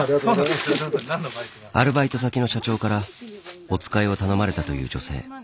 アルバイト先の社長からお使いを頼まれたという女性。